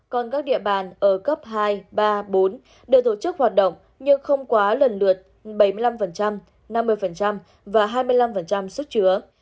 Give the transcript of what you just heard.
còn các địa bàn ở cấp hai ba bốn được tổ chức hoạt động nhưng không quá lần lượt bảy mươi năm năm mươi và hai mươi năm sức chứa